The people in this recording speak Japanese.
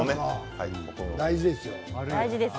大事ですよ。